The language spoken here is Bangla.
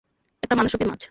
একটা মানুষরূপী মাছ!